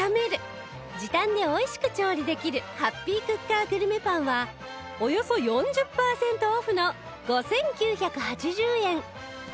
時短で美味しく調理できるハッピークッカーグルメパンはおよそ４０パーセントオフの５９８０円